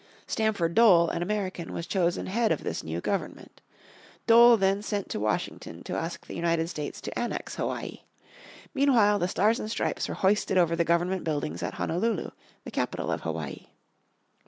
Stamford Dole, an American, was chosen head of this new government. Dole then sent to Washington to ask the United States to annex Hawaii. Meanwhile the stars and stripes were hoisted over the Government buildings at Honolulu, the capital of Hawaii.